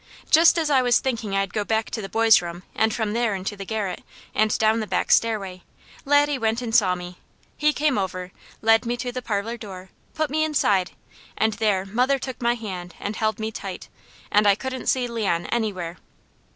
Just as I was thinking I'd go back to the boys' room, and from there into the garret, and down the back stairway, Laddie went and saw me. He came over, led me to the parlour door, put me inside, and there mother took my hand and held me tight, and I couldn't see Leon anywhere.